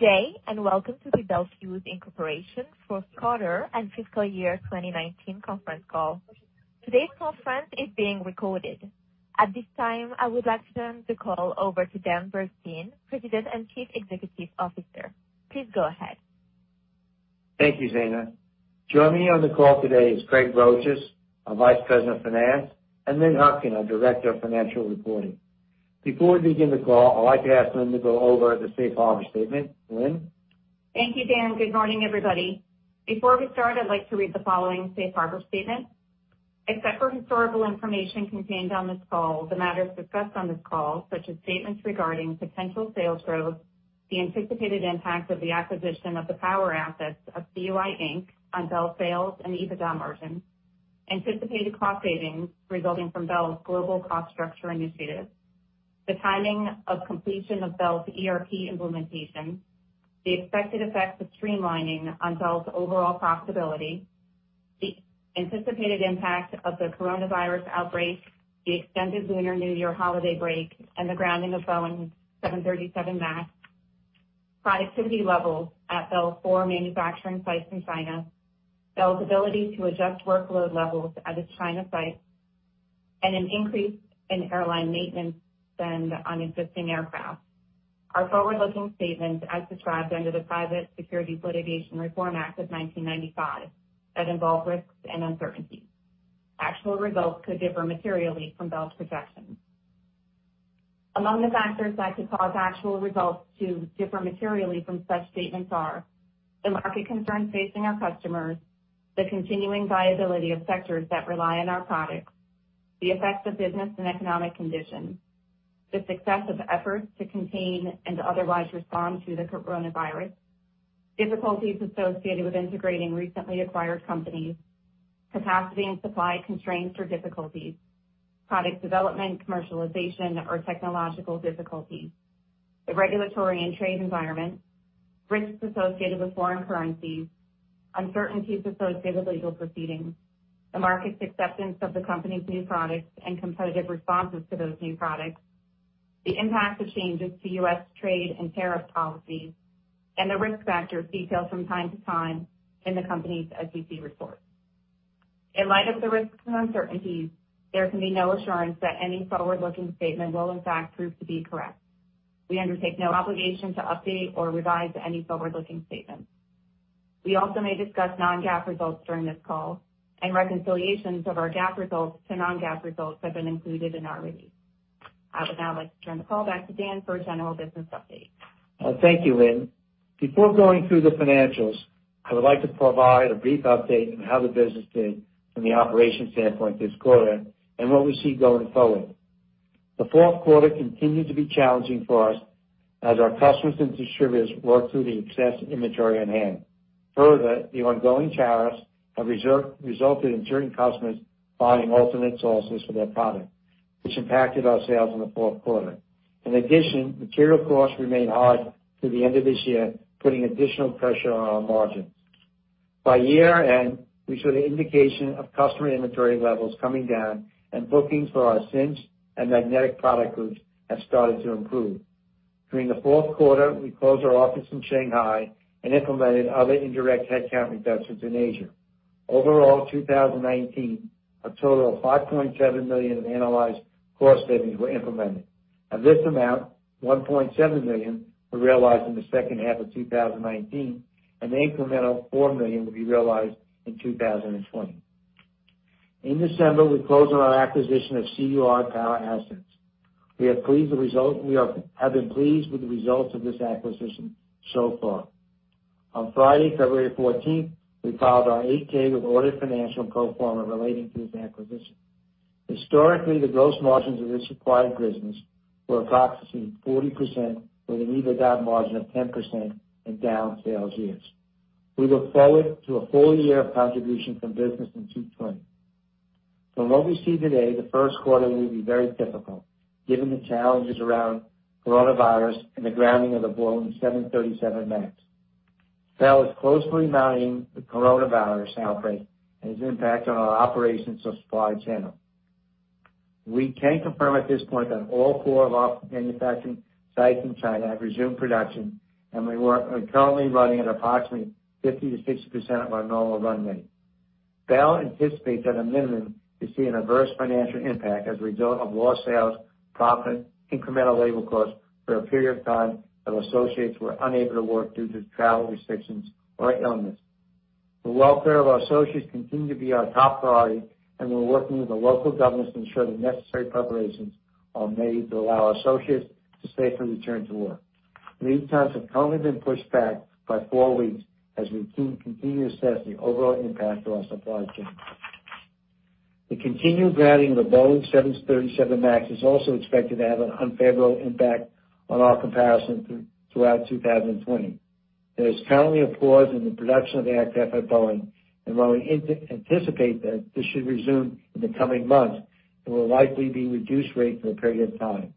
Good day, welcome to the Bel Fuse Inc. Fourth quarter and fiscal year 2019 conference call. Today's conference is being recorded. At this time, I would like to turn the call over to Dan Bernstein, President and Chief Executive Officer. Please go ahead. Thank you, Zena. Joining me on the call today is Craig Brosious, our Vice President of Finance, and Lynn Hutkin, our Director of Financial Reporting. Before we begin the call, I'd like to ask Lynn to go over the safe harbor statement. Lynn? Thank you, Dan. Good morning, everybody. Before we start, I'd like to read the following safe harbor statement. Except for historical information contained on this call, the matters discussed on this call, such as statements regarding potential sales growth, the anticipated impact of the acquisition of the power assets of CUI Inc. on Bel's sales and EBITDA margins, anticipated cost savings resulting from Bel's global cost structure initiatives, the timing of completion of Bel's ERP implementation, the expected effect of streamlining on Bel's overall profitability, the anticipated impact of the coronavirus outbreak, the extended Lunar New Year holiday break, and the grounding of Boeing 737 MAX, productivity levels at Bel's four manufacturing sites in China, Bel's ability to adjust workload levels at its China sites, and an increase in airline maintenance spend on existing aircraft, are forward-looking statements as described under the Private Securities Litigation Reform Act of 1995 that involve risks and uncertainties. Actual results could differ materially from Bel's projections. Among the factors that could cause actual results to differ materially from such statements are the market concerns facing our customers, the continuing viability of sectors that rely on our products, the effects of business and economic conditions, the success of efforts to contain and otherwise respond to the coronavirus, difficulties associated with integrating recently acquired companies, capacity and supply constraints or difficulties, product development, commercialization, or technological difficulties, the regulatory and trade environment, risks associated with foreign currencies, uncertainties associated with legal proceedings, the market's acceptance of the company's new products and competitive responses to those new products, the impact of changes to U.S. trade and tariff policies, and the risk factors detailed from time to time in the company's SEC reports. In light of the risks and uncertainties, there can be no assurance that any forward-looking statement will in fact prove to be correct. We undertake no obligation to update or revise any forward-looking statements. We also may discuss non-GAAP results during this call, and reconciliations of our GAAP results to non-GAAP results have been included in our release. I would now like to turn the call back to Dan for a general business update. Thank you, Lynn. Before going through the financials, I would like to provide a brief update on how the business did from the operations standpoint this quarter and what we see going forward. The fourth quarter continued to be challenging for us as our customers and distributors worked through the excess inventory on hand. Further, the ongoing tariffs have resulted in certain customers finding alternate sources for their product, which impacted our sales in the fourth quarter. In addition, material costs remained hard through the end of this year, putting additional pressure on our margins. By year-end, we saw the indication of customer inventory levels coming down and bookings for our Cinch and Magnetic product groups have started to improve. During the fourth quarter, we closed our office in Shanghai and implemented other indirect headcount reductions in Asia. Overall, in 2019, a total of $5.7 million in analyzed cost savings were implemented. Of this amount, $1.7 million were realized in the second half of 2019, the incremental $4 million will be realized in 2020. In December, we closed on our acquisition of CUI Power Business. We have been pleased with the results of this acquisition so far. On Friday, February 14th, we filed our 8-K with audited financial pro forma relating to this acquisition. Historically, the gross margins of this acquired business were approximately 40% with an EBITDA margin of 10% in down sales years. We look forward to a full year of contribution from business in 2020. From what we see today, the first quarter will be very difficult given the challenges around coronavirus and the grounding of the Boeing 737 MAX. Bel is closely monitoring the coronavirus outbreak and its impact on our operations and supply chain. We can confirm at this point that all four of our manufacturing sites in China have resumed production, and we're currently running at approximately 50% to 60% of our normal run rate. Bel anticipates at a minimum to see an adverse financial impact as a result of lost sales, profit, incremental labor costs for a period of time that associates were unable to work due to travel restrictions or illness. The welfare of our associates continue to be our top priority, and we're working with the local governments to ensure the necessary preparations are made to allow our associates to safely return to work. Lead times have currently been pushed back by four weeks as we continue to assess the overall impact to our supply chain. The continued grounding of the Boeing 737 MAX is also expected to have an unfavorable impact on our comparison throughout 2020. While we anticipate that this should resume in the coming months, it will likely be reduced rate for a period of time.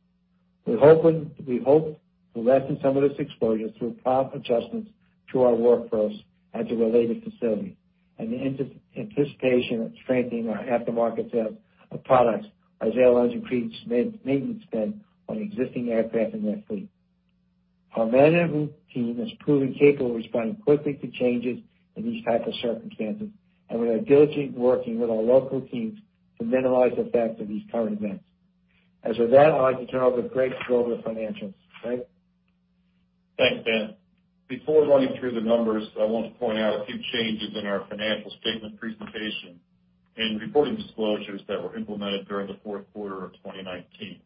We hope to lessen some of this exposure through prompt adjustments to our workforce at the related facility. In anticipation of strengthening our aftermarket sales of products as airlines increase maintenance spend on existing aircraft in their fleet. Our management team has proven capable of responding quickly to changes in these types of circumstances, and we are diligently working with our local teams to minimize the effects of these current events. With that, I'd like to turn it over to Craig to go over the financials. Craig? Thanks, Dan. Before running through the numbers, I want to point out a few changes in our financial statement presentation and reporting disclosures that were implemented during the fourth quarter of 2019.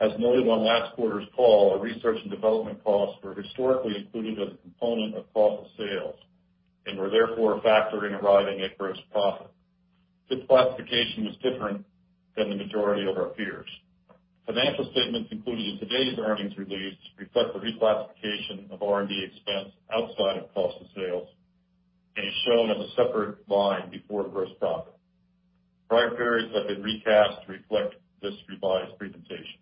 As noted on last quarter's call, our research and development costs were historically included as a component of cost of sales, and were therefore factored in arriving at gross profit. This classification was different than the majority of our peers. Financial statements included in today's earnings release reflect the reclassification of R&D expense outside of cost of sales, and is shown as a separate line before gross profit. Prior periods have been recast to reflect this revised presentation.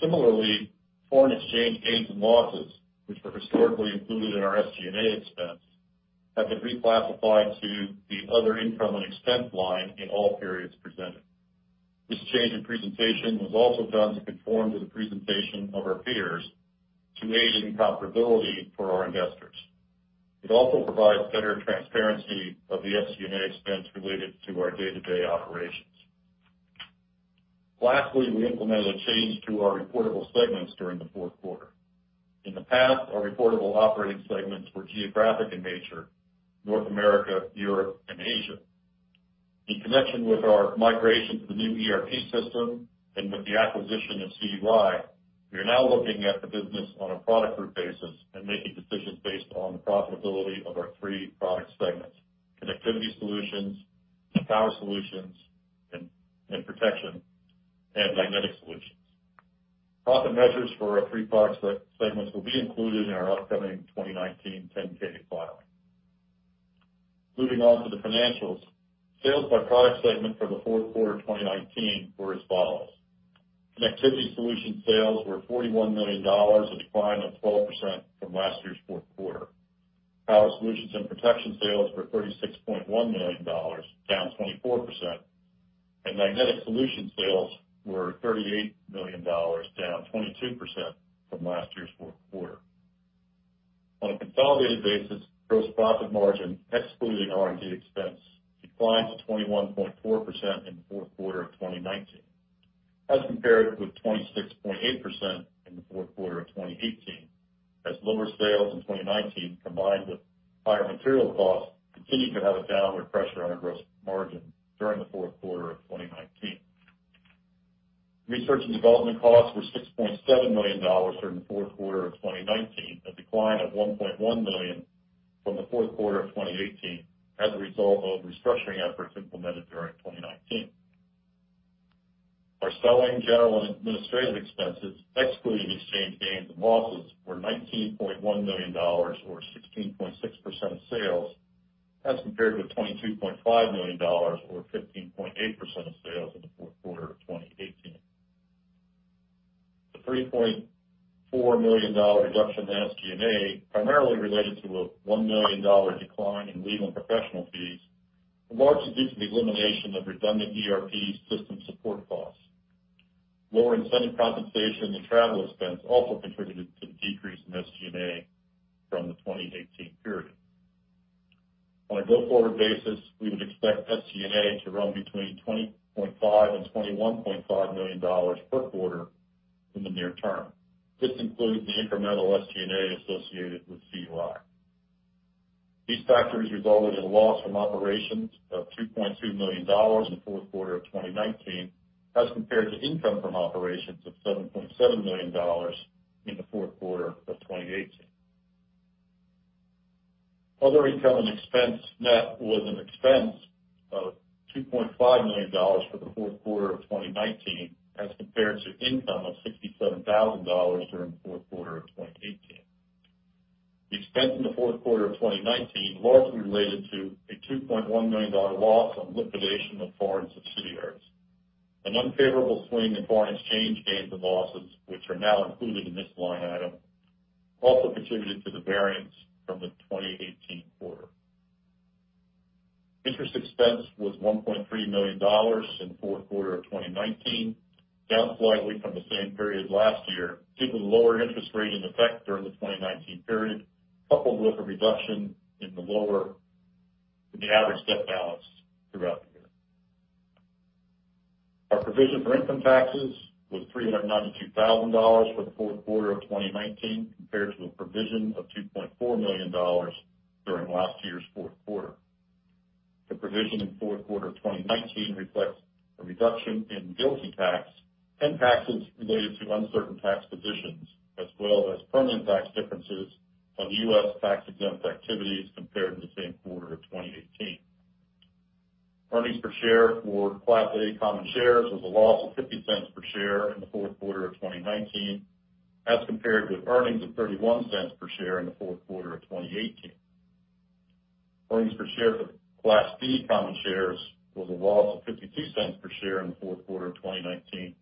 Similarly, foreign exchange gains and losses, which were historically included in our SG&A expense, have been reclassified to the other income and expense line in all periods presented. This change in presentation was also done to conform to the presentation of our peers to aid in comparability for our investors. It also provides better transparency of the SG&A expense related to our day-to-day operations. Lastly, we implemented a change to our reportable segments during the fourth quarter. In the past, our reportable operating segments were geographic in nature, North America, Europe, and Asia. In connection with our migration to the new ERP system, and with the acquisition of CUI, we are now looking at the business on a product group basis and making decisions based on the profitability of our three product segments, Connectivity Solutions, Power Solutions and Protection, and Magnetic Solutions. Profit measures for our three product segments will be included in our upcoming 2019 10-K filing. Moving on to the financials. Sales by product segment for the fourth quarter of 2019 were as follows. Connectivity Solutions sales were $41 million, a decline of 12% from last year's fourth quarter. Power Solutions and Protection sales were $36.1 million, down 24%. Magnetic Solutions sales were $38 million, down 22% from last year's fourth quarter. On a consolidated basis, gross profit margin, excluding R&D expense, declined to 21.4% in the fourth quarter of 2019, as compared with 26.8% in the fourth quarter of 2018, as lower sales in 2019, combined with higher material costs, continued to have a downward pressure on our gross margin during the fourth quarter of 2019. Research and development costs were $6.7 million during the fourth quarter of 2019, a decline of $1.1 million from the fourth quarter of 2018 as a result of restructuring efforts implemented during 2019. Our Selling, General and Administrative expenses, excluding exchange gains and losses, were $19.1 million or 16.6% of sales as compared with $22.5 million or 15.8% of sales in the fourth quarter of 2018. The $3.4 million reduction in SG&A primarily related to a $1 million decline in legal and professional fees, largely due to the elimination of redundant ERP system support costs. Lower incentive compensation and travel expense also contributed to the decrease in SG&A from the 2018 period. On a go-forward basis, we would expect SG&A to run between $20.5 million-$21.5 million per quarter in the near term. This includes the incremental SG&A associated with CUI. These factors resulted in a loss from operations of $2.2 million in the fourth quarter of 2019 as compared to income from operations of $7.7 million in the fourth quarter of 2018. Other income and expense net was an expense of $2.5 million for the fourth quarter of 2019 as compared to income of $67,000 during the fourth quarter of 2018. The expense in the fourth quarter of 2019 largely related to a $2.1 million loss on liquidation of foreign subsidiaries. An unfavorable swing in foreign exchange gains and losses, which are now included in this line item, also contributed to the variance from the 2018 quarter. Interest expense was $1.3 million in the fourth quarter of 2019, down slightly from the same period last year, due to the lower interest rate in effect during the 2019 period, coupled with a reduction in the average debt balance throughout the year. Our provision for income taxes was $392,000 for the fourth quarter of 2019, compared to a provision of $2.4 million during last year's fourth quarter. The provision in the fourth quarter of 2019 reflects a reduction in GILTI tax and taxes related to uncertain tax positions, as well as permanent tax differences on U.S. tax-exempt activities compared to the same quarter of 2018. Earnings per share for Class A common shares was a loss of $0.50 per share in the fourth quarter of 2019 as compared with earnings of $0.31 per share in the fourth quarter of 2018. Earnings per share for Class B common shares was a loss of $0.52 per share in the fourth quarter of 2019. Compared with earnings of $0.33 per share in the fourth quarter of 2018. On a non-GAAP basis, which excludes certain unusual and other non-recurring items, EPS for Class A shares was a loss of $0.30 per share in the fourth quarter of 2019,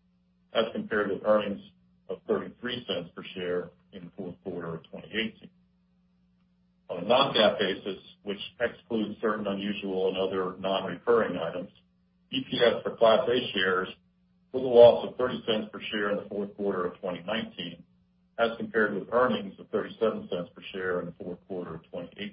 as compared with earnings of $0.37 per share in the fourth quarter of 2018. On a non-GAAP basis, EPS for Class B shares was a loss of $0.30 per share in the fourth quarter of 2019, as compared with earnings of $0.39 per share in the fourth quarter of 2018.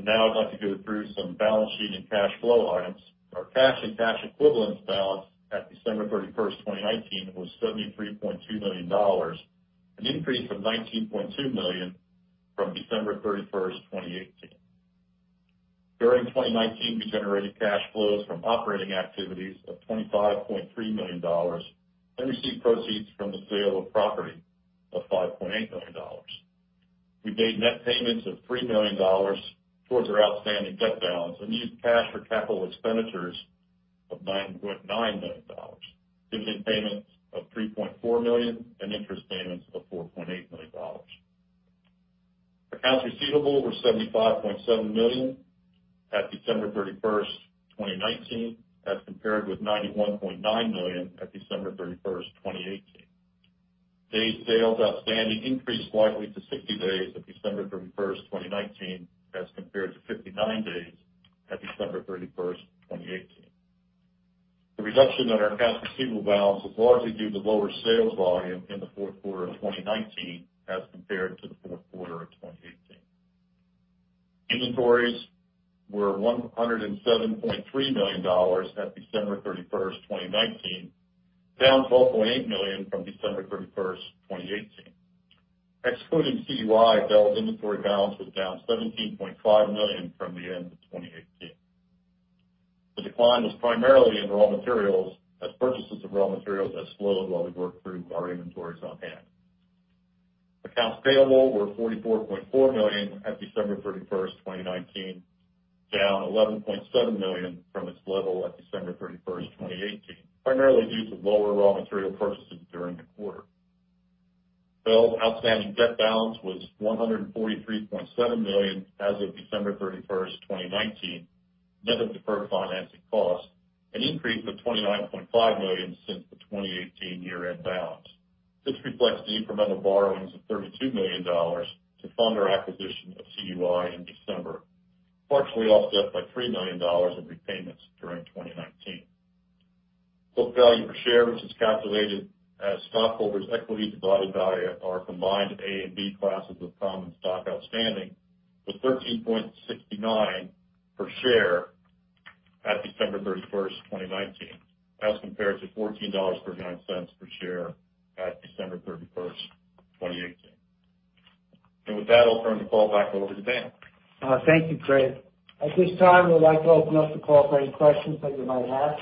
Now I'd like to go through some balance sheet and cash flow items. Our cash and cash equivalents balance at December 31st, 2019, was $73.2 million, an increase from $19.2 million from December 31st, 2018. During 2019, we generated cash flows from operating activities of $25.3 million and received proceeds from the sale of property of $5.8 million. We made net payments of $3 million towards our outstanding debt balance and used cash for capital expenditures of $9.9 million, dividend payments of $3.4 million and interest payments of $4.8 million. Accounts receivable were $75.7 million at December 31, 2019, as compared with $91.9 million at December 31, 2018. Days sales outstanding increased slightly to 60 days at December 31, 2019 as compared to 59 days at December 31, 2018. The reduction in our accounts receivable balance was largely due to lower sales volume in the fourth quarter of 2019 as compared to the fourth quarter of 2018. Inventories were $107.3 million at December 31, 2019, down $12.8 million from December 31, 2018. Excluding CUI, Bel's inventory balance was down $17.5 million from the end of 2018. The decline was primarily in raw materials as purchases of raw materials have slowed while we work through our inventories on hand. Accounts payable were $44.4 million at December 31st, 2019, down $11.7 million from its level at December 31st, 2018, primarily due to lower raw material purchases during the quarter. Bel's outstanding debt balance was $143.7 million as of December 31st, 2019, net of deferred financing cost, an increase of $29.5 million since the 2018 year-end balance. This reflects the incremental borrowings of $32 million to fund our acquisition of CUI in December, partially offset by $3 million in repayments during 2019. Book value per share, which is calculated as stockholders' equity divided by our combined Class A and Class B classes of common stock outstanding, was $13.69 per share at December 31st, 2019 as compared to $14.99 per share at December 31st, 2018. With that, I'll turn the call back over to Dan. Thank you, Craig. At this time, we'd like to open up the call for any questions that you might have.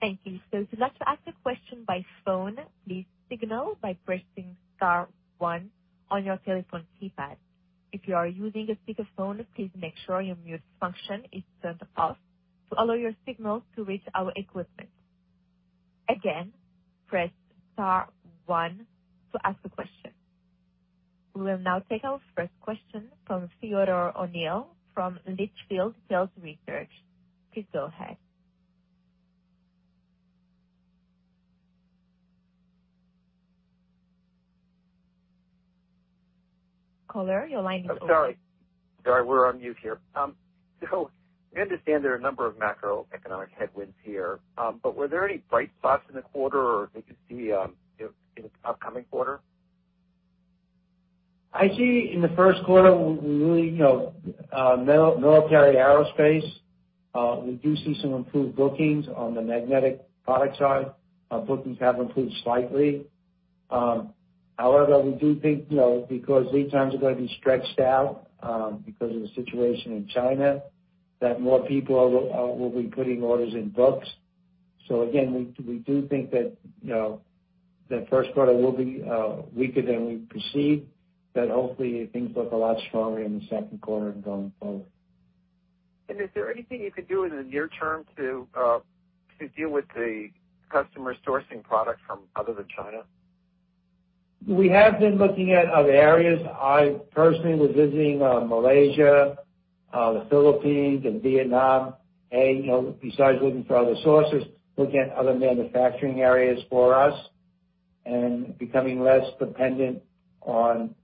Thank you. If you'd like to ask a question by phone, please signal by pressing star one on your telephone keypad. If you are using a speakerphone, please make sure your mute function is turned off to allow your signals to reach our equipment. Again, press star one to ask a question. We will now take our first question from Theodore O'Neill from Litchfield Hills Research. Please go ahead. Caller, your line is open. Sorry. We're on mute here. We understand there are a number of macroeconomic headwinds here. Were there any bright spots in the quarter or that you see in the upcoming quarter? I see in the first quarter, military aerospace. We do see some improved bookings on the magnetic product side. Our bookings have improved slightly. We do think, because lead times are going to be stretched out because of the situation in China, that more people will be putting orders in books. Again, we do think that the first quarter will be weaker than we perceive, hopefully things look a lot stronger in the second quarter and going forward. Is there anything you can do in the near term to deal with the customers sourcing product from other than China? We have been looking at other areas. I personally was visiting Malaysia, the Philippines, and Vietnam. Besides looking for other sources, looking at other manufacturing areas for us and becoming less dependent on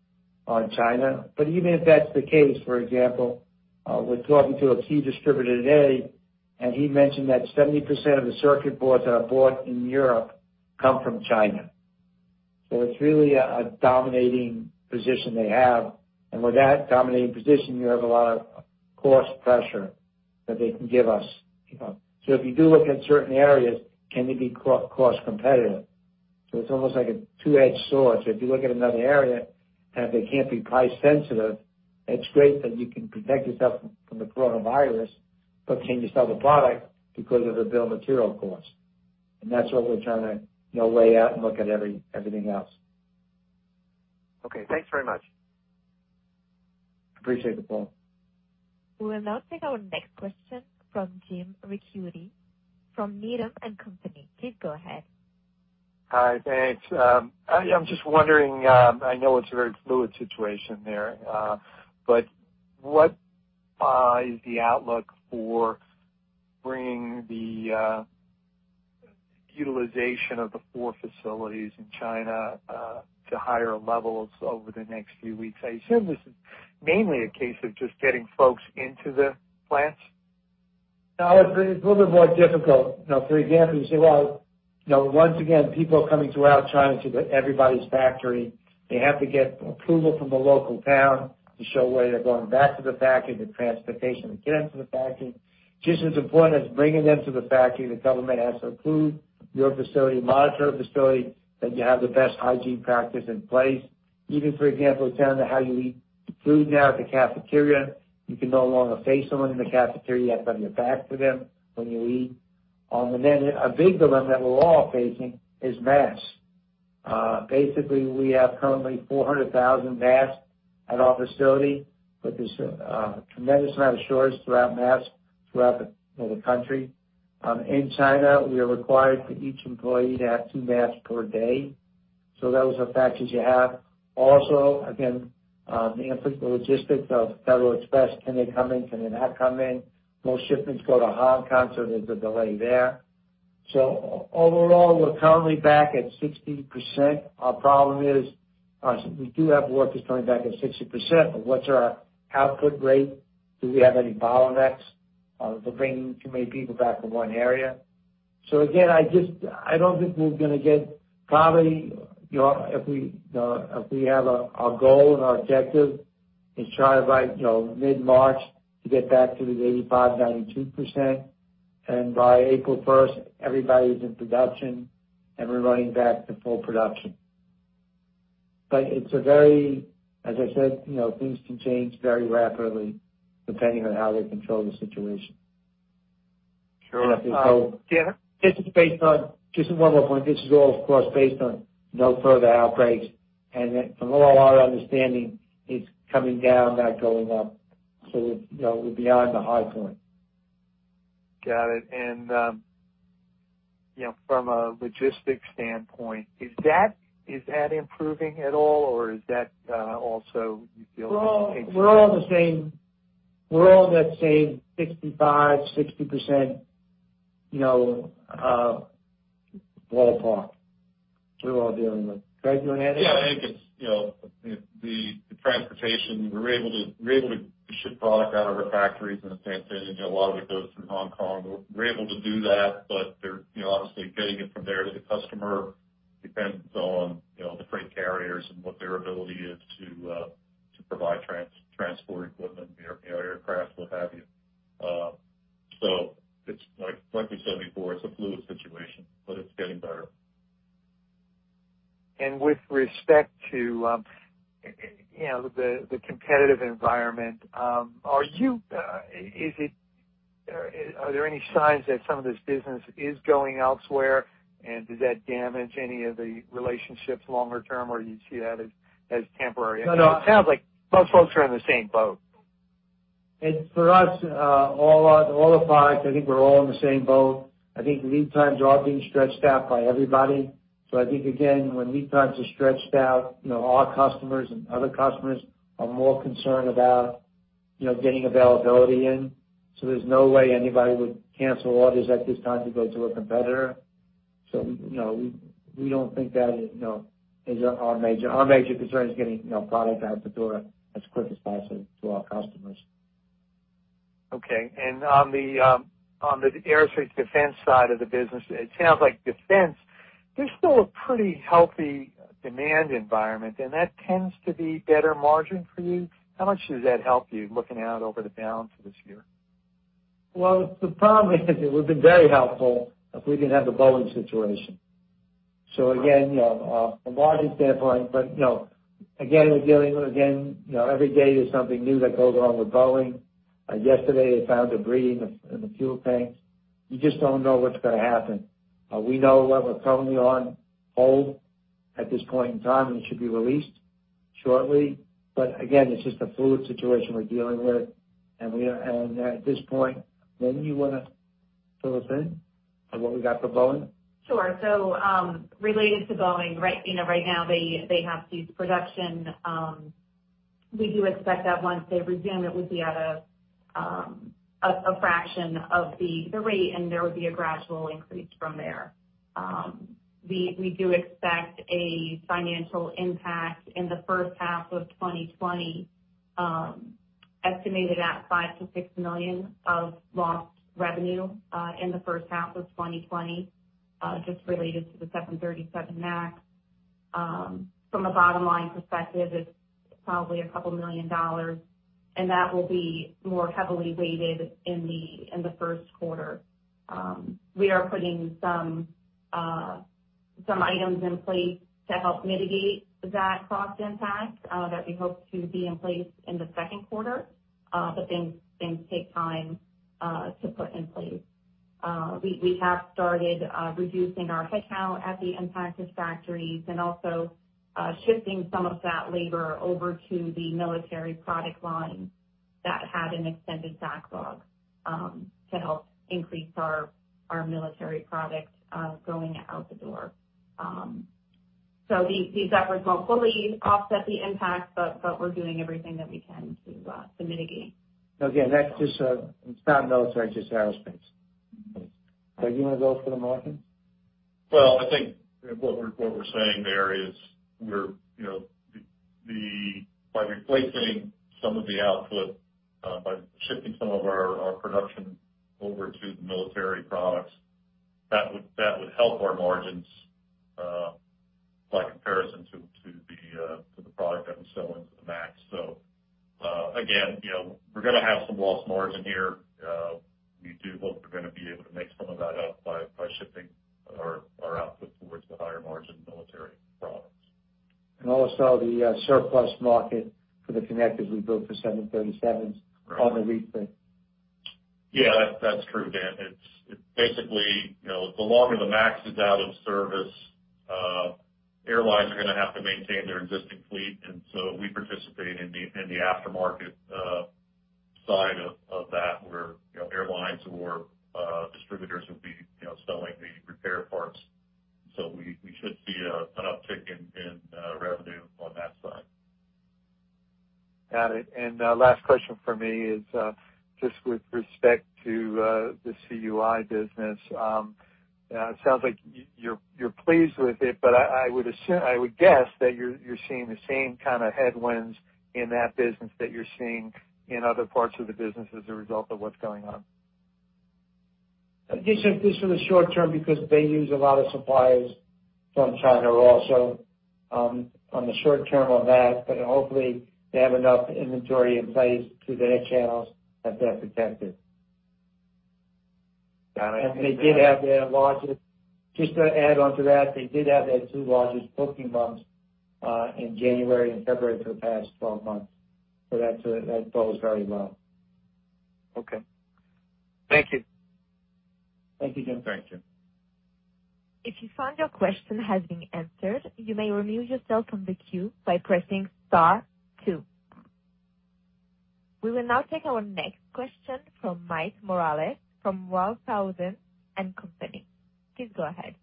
China. Even if that's the case, for example, we're talking to a key distributor today, and he mentioned that 70% of the circuit boards that are bought in Europe come from China. It's really a dominating position they have. With that dominating position, you have a lot of cost pressure that they can give us. If you do look in certain areas, can they be cost competitive? It's almost like a two-edged sword. If you look at another area and if they can't be price sensitive, it's great that you can protect yourself from the coronavirus, but can you sell the product because of the bill of material cost. That's what we're trying to weigh out and look at everything else. Okay. Thanks very much. Appreciate the call. We'll now take our next question from Jim Ricchiuti from Needham & Company. Please go ahead. Hi, thanks. I'm just wondering, I know it's a very fluid situation there, but what is the outlook for bringing the utilization of the four facilities in China to higher levels over the next few weeks? I assume this is mainly a case of just getting folks into the plants? No, it's a little bit more difficult. For example, you say, well, once again, people are coming throughout China to everybody's factory. They have to get approval from the local town to show where they're going back to the factory, the transportation to get them to the factory. Just as important as bringing them to the factory, the government has to approve your facility, monitor the facility, that you have the best hygiene practice in place. Even, for example, down to how you eat food now at the cafeteria. You can no longer face someone in the cafeteria. You have to have your back to them when you eat. A big dilemma that we're all facing is masks. We have currently 400,000 masks at our facility, but there's a tremendous amount of shortage throughout masks throughout the country. In China, we are required for each employee to have two masks per day. Those are the factors you have. Also, again, the logistics of Federal Express, can they come in? Can they not come in? Most shipments go to Hong Kong, there's a delay there. Overall, we're currently back at 60%. Our problem is we do have workers coming back at 60%, what's our output rate? Do we have any bottlenecks for bringing too many people back from one area? Again, I don't think we're going to get. Probably, if we have our goal and our objective in China by mid-March to get back to the 85%-92%, by April 1st, everybody's in production and we're running back to full production. It's, as I said, things can change very rapidly depending on how they control the situation. Sure. Just one more point. This is all, of course, based on no further outbreaks, and from all our understanding, it's coming down, not going up. We're beyond the high point. Got it. From a logistics standpoint, is that improving at all, or is that also you feel like it's? We're all in the same 65%-60% ballpark. We're all dealing with. Craig, do you want to add anything? Yeah, I think the transportation, we're able to ship product out of our factories in the same thing. A lot of it goes through Hong Kong. We're able to do that. Obviously getting it from there to the customer depends on the freight carriers and what their ability is to provide transport equipment, aircraft, what have you. Like we said before, it's a fluid situation, but it's getting better. With respect to the competitive environment, are there any signs that some of this business is going elsewhere? Does that damage any of the relationships longer term, or do you see that as temporary? No. It sounds like most folks are in the same boat. For us, all the products, I think we're all in the same boat. I think lead times are being stretched out by everybody. I think, again, when lead times are stretched out, our customers and other customers are more concerned about getting availability in. There's no way anybody would cancel orders at this time to go to a competitor. We don't think that is our major. Our major concern is getting product out the door as quick as possible to our customers. Okay. On the aerospace defense side of the business, it sounds like defense, there's still a pretty healthy demand environment, and that tends to be better margin for you. How much does that help you looking out over the balance of this year? Well, the problem is it would've been very helpful if we didn't have the Boeing situation. Again, from a margin standpoint, again, every day there's something new that goes wrong with Boeing. Yesterday, they found debris in the fuel tanks. You just don't know what's going to happen. We know what we're currently on hold at this point in time, it should be released shortly. Again, it's just a fluid situation we're dealing with. At this point, Lynn, you want to fill us in on what we got for Boeing? Sure. Related to Boeing, right now they have ceased production. We do expect that once they resume, it would be at a fraction of the rate, and there would be a gradual increase from there. We do expect a financial impact in the first half of 2020, estimated at $5 million-$6 million of lost revenue in the first half of 2020, just related to the 737 MAX. From a bottom-line perspective, it's probably $2 million, and that will be more heavily weighted in the first quarter. We are putting some items in place to help mitigate that cost impact that we hope to be in place in the second quarter. Things take time to put in place. We have started reducing our headcount at the implants factories and also shifting some of that labor over to the military product line that had an extended backlog to help increase our military products going out the door. These efforts won't fully offset the impact, but we're doing everything that we can to mitigate. Okay. It's not military, just aerospace. Craig, you want to go for the margins? Well, I think what we're saying there is by replacing some of the output, by shifting some of our production over to the military products, that would help our margins by comparison to the product that we sell into the MAX. Again, we're going to have some lost margin here. We do hope we're going to be able to make some of that up by shifting our output towards the higher margin military products. Also the surplus market for the connectors we build for 737s. Right. on the lease thing. That's true, Dan. It's basically, the longer the MAX is out of service, airlines are going to have to maintain their existing fleet. We participate in the aftermarket side of that where airlines or distributors would be selling the repair parts. We should see an uptick in revenue on that side. Got it. Last question from me is just with respect to the CUI Business. It sounds like you're pleased with it, but I would guess that you're seeing the same kind of headwinds in that business that you're seeing in other parts of the business as a result of what's going on. In addition, just for the short term, because they use a lot of suppliers from China also on the short term on that. Hopefully they have enough inventory in place through their channels that they're protected. Got it. They did have their two largest booking months in January and February for the past 12 months. That bodes very well. Okay. Thank you. Thank you, Jim. Thank you. If you find your question has been answered, you may remove yourself from the queue by pressing star two. We will now take our next question from Mike Morales from Walthausen & Company. Please go ahead.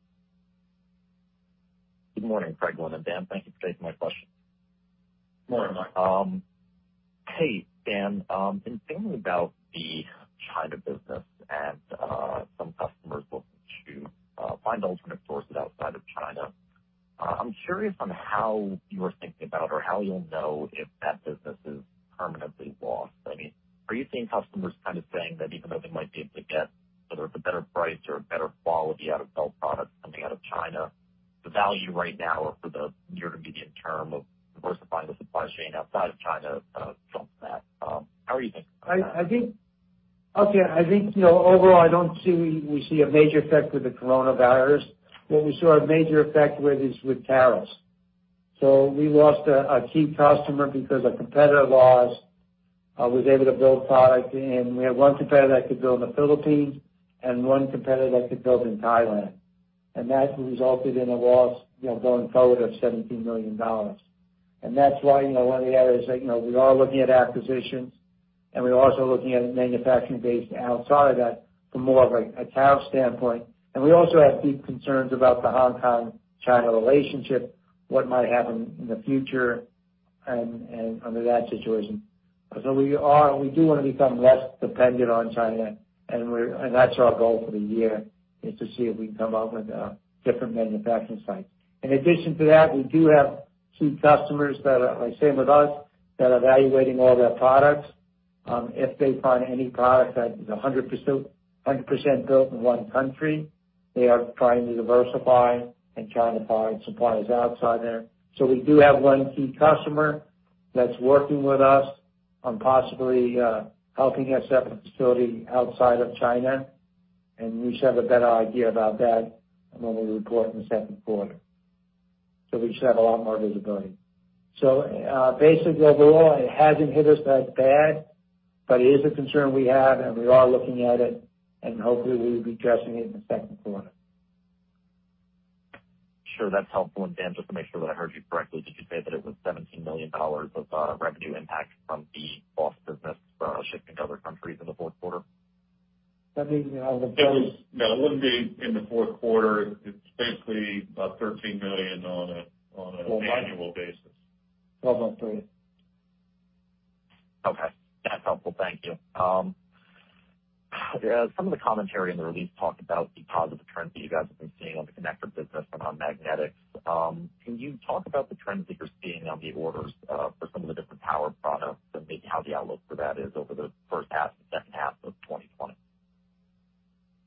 Good morning, Craig, morning Dan. Thank you for taking my question. Morning, Mike. Hey, Dan. In thinking about the China business and some customers looking to find alternate sources outside of China, I'm curious on how you are thinking about or how you'll know if that business is permanently lost. Are you seeing customers kind of saying that even though they might be able to get sort of a better price or a better quality out of Bel products coming out of China, the value right now for the near to medium term of diversifying the supply chain outside of China trumps that? How are you thinking about that? I think overall, I don't see we see a major effect with the coronavirus. Where we saw a major effect with is with tariffs. We lost a key customer because a competitor of ours was able to build product. We had one competitor that could build in the Philippines and one competitor that could build in Thailand. That resulted in a loss, going forward, of $17 million. That's why, one of the areas that we are looking at acquisitions, and we're also looking at manufacturing base outside of that for more of a tariff standpoint. We also have deep concerns about the Hong Kong-China relationship, what might happen in the future and under that situation. We do want to become less dependent on China, and that's our goal for the year, is to see if we can come up with different manufacturing sites. In addition to that, we do have key customers that are like same with us, that are evaluating all their products. If they find any product that is 100% built in one country, they are trying to diversify and trying to find suppliers outside there. We do have one key customer that's working with us on possibly helping us set up a facility outside of China, and we should have a better idea about that when we report in the second quarter. We should have a lot more visibility. Basically, overall, it hasn't hit us that bad, but it is a concern we have, and we are looking at it, and hopefully we'll be addressing it in the second quarter. Sure, that's helpful. Dan, just to make sure that I heard you correctly, did you say that it was $17 million of revenue impact from the lost business shifting to other countries in the fourth quarter? That means- No, it wouldn't be in the fourth quarter. It's basically about $13 million on an annual basis. $12.3 million. Okay. That's helpful. Thank you. Some of the commentary in the release talked about the positive trends that you guys have been seeing on the connector business and on magnetics. Can you talk about the trends that you're seeing on the orders for some of the different power products and maybe how the outlook for that is over the first half, second half of 2020?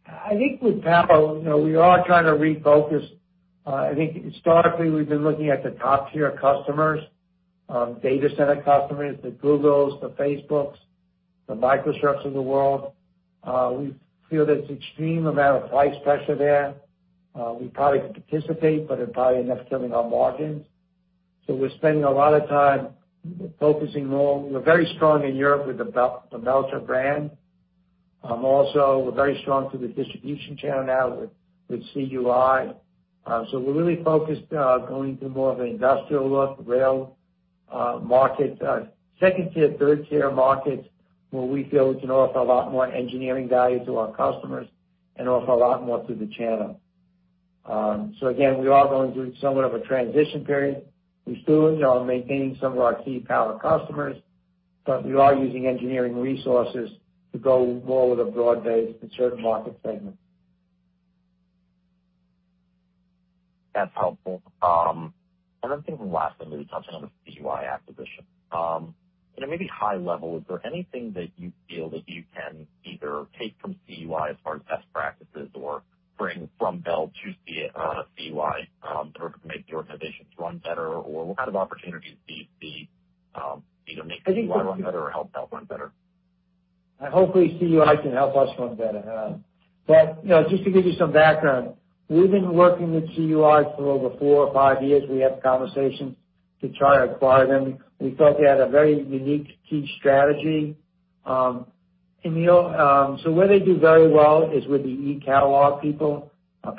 I think with power, we are trying to refocus. I think historically, we've been looking at the top tier customers, data center customers, the Googles, the Facebooks, the Microsoft of the world. We feel there's extreme amount of price pressure there. We probably could participate, but it probably ends up killing our margins. We're spending a lot of time focusing more. We're very strong in Europe with the Melcher brand. Also, we're very strong through the distribution channel now with CUI. We're really focused on going to more of an industrial look, rail market, second-tier, third-tier markets, where we feel we can offer a lot more engineering value to our customers and offer a lot more through the channel. Again, we are going through somewhat of a transition period. We still are maintaining some of our key power customers, but we are using engineering resources to go more with a broad base in certain market segments. That's helpful. Then thinking last thing, maybe touching on the CUI acquisition. Maybe high level, is there anything that you feel that you can either take from CUI as far as best practices or bring from Bel to CUI in order to make the organizations run better? What kind of opportunities do you see to make CUI run better or help Bel run better? Hopefully CUI can help us run better. Just to give you some background, we've been working with CUI for over four or five years. We had conversations to try to acquire them. We felt they had a very unique key strategy. Where they do very well is with the e-catalog people I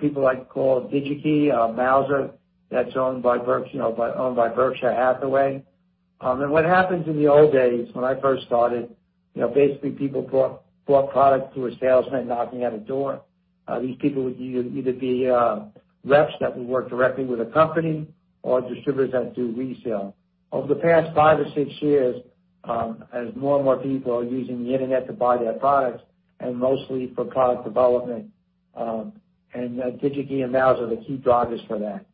call DigiKey, Mouser, that's owned by Berkshire Hathaway. What happens in the old days, when I first started, basically people bought product through a salesman knocking at a door. These people would either be reps that would work directly with a company or distributors that do resale. Over the past five or six years, as more and more people are using the internet to buy their products, and mostly for product development, and DigiKey and Mouser are the key drivers for that.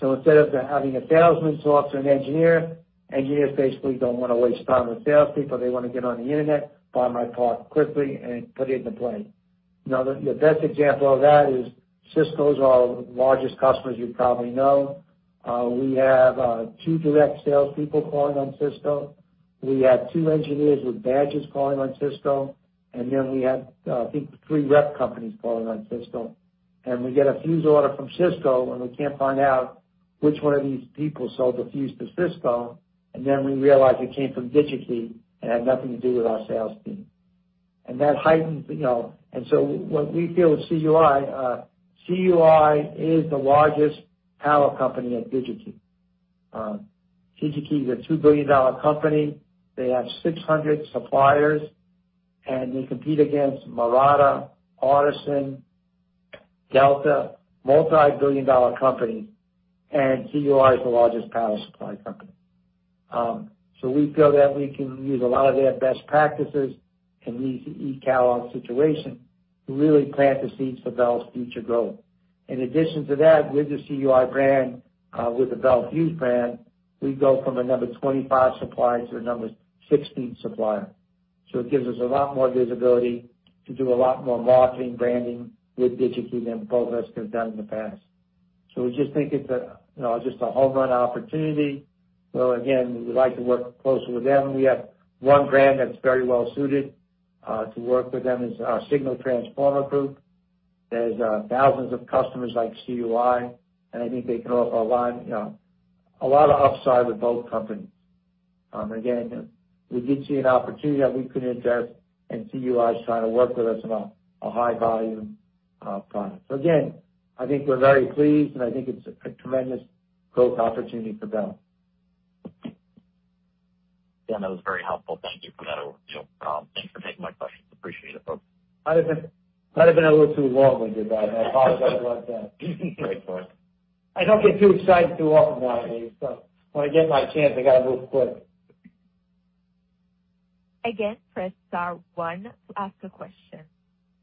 Instead of having a salesman talk to an engineer, engineers basically don't want to waste time with salespeople. They want to get on the internet, buy my product quickly, and put it into play. The best example of that is Cisco is our largest customer, as you probably know. We have two direct salespeople calling on Cisco. We have two engineers with badges calling on Cisco, we have, I think, three rep companies calling on Cisco. We get a fuse order from Cisco, we can't find out which one of these people sold the fuse to Cisco, we realize it came from DigiKey and had nothing to do with our sales team. What we feel with CUI is the largest power company at DigiKey. DigiKey is a $2 billion company. They have 600 suppliers, and they compete against Murata, Artesyn, Delta, multi-billion dollar companies, and CUI is the largest power supply company. We feel that we can use a lot of their best practices in the e-catalog situation to really plant the seeds for Bel's future growth. In addition to that, with the CUI brand, with the Bel Fuse brand, we go from a number 25 supplier to a number 16 supplier. It gives us a lot more visibility to do a lot more marketing, branding with DigiKey than both of us could have done in the past. We just think it's just a home run opportunity. Again, we would like to work closely with them. We have one brand that's very well-suited to work with them, is our Signal Transformer group. There's thousands of customers like CUI, and I think they can offer a lot of upside with both companies. Again, we did see an opportunity that we could invest in CUI, trying to work with us on a high volume of product. Again, I think we're very pleased, and I think it's a tremendous growth opportunity for Bel. Dan, that was very helpful. Thank you for that overview. Thanks for taking my questions. Appreciate it, folks. Might have been a little too long winded, but I apologize about that. Great point. I don't get too excited too often nowadays, so when I get my chance, I got to move quick. Again, press star one to ask a question.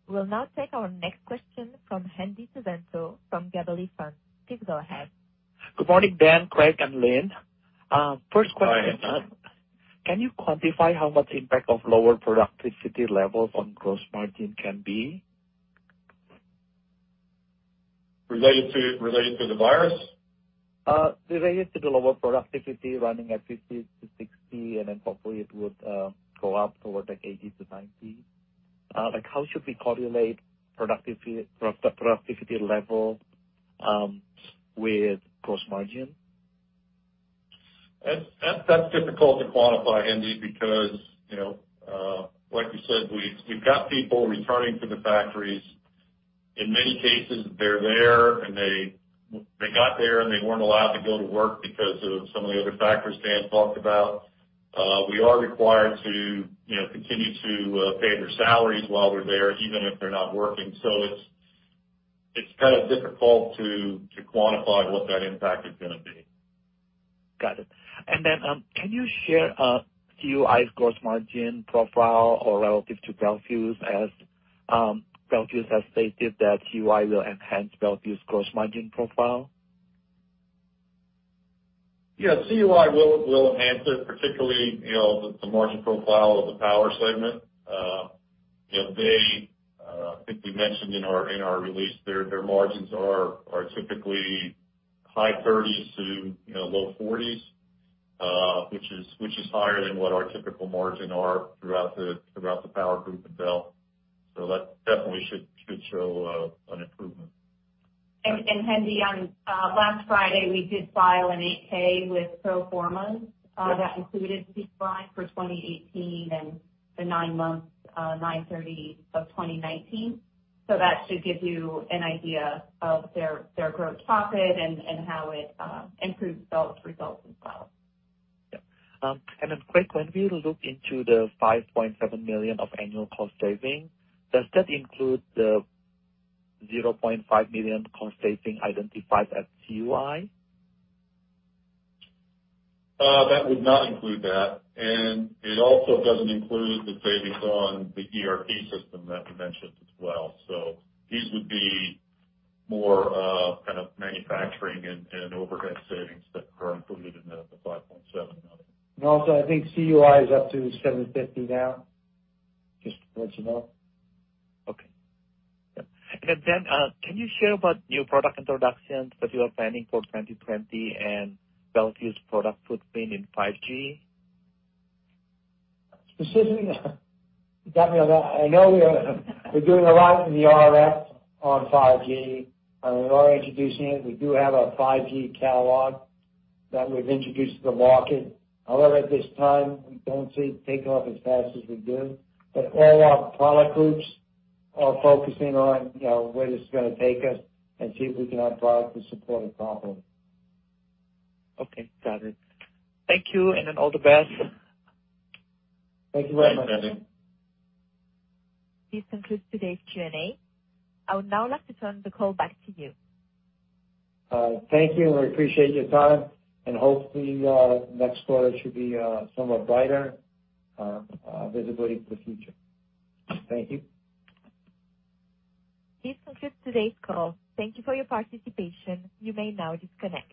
We'll now take our next question from Hendi Susanto from Gabelli Funds. Please go ahead. Good morning, Dan, Craig, and Lynn. First question. Hi, Hendi. Can you quantify how much impact of lower productivity levels on gross margin can be? Related to the virus? Related to the lower productivity running at 50%-60%, and then hopefully it would go up toward, like, 80%-90%. Like, how should we correlate productivity level with gross margin? That's difficult to quantify, Hendi, because like you said, we've got people returning to the factories. In many cases, they're there, and they got there, and they weren't allowed to go to work because of some of the other factors Dan talked about. We are required to continue to pay their salaries while they're there, even if they're not working. It's kind of difficult to quantify what that impact is going to be. Got it. Can you share CUI's gross margin profile or relative to Bel Fuse, as Bel Fuse has stated that CUI will enhance Bel Fuse gross margin profile? CUI will enhance it, particularly the margin profile of the power segment. I think we mentioned in our release, their margins are typically high 30%-low 40%, which is higher than what our typical margin are throughout the Power group at Bel. That definitely should show an improvement. Hendi, last Friday, we did file an 8-K with pro formas that included CUI for 2018 and the nine months, 9/30 of 2019. That should give you an idea of their gross profit and how it improves Bel's results as well. Yeah. Quick, when we look into the $5.7 million of annual cost saving, does that include the $0.5 million cost saving identified at CUI? That would not include that. It also doesn't include the savings on the ERP system that we mentioned as well. These would be more kind of manufacturing and overhead savings that are included in the $5.7 million. Also, I think CUI is up to $750 now, just to let you know. Okay. Yeah. Then, can you share about new product introductions that you are planning for 2020 and Bel Fuse product footprint in 5G? Specifically, you got me on that. I know we're doing a lot in the RF on 5G, and we are introducing it. We do have a 5G catalog that we've introduced to the market. At this time, we don't see it taking off as fast as we'd do. All our product groups are focusing on where this is going to take us and see if we can have products to support it properly. Okay, got it. Thank you, all the best. Thank you very much. Thank you. This concludes today's Q&A. I would now like to turn the call back to you. Thank you, and we appreciate your time, and hopefully, next quarter should be somewhat brighter visibility for the future. Thank you. This concludes today's call. Thank you for your participation. You may now disconnect.